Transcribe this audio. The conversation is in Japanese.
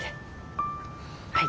はい。